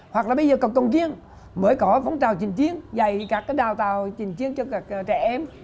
hoặc là bây giờ cổng chiên mới có phóng trào trình chiến dạy các cái đào tạo trình chiến cho các trẻ em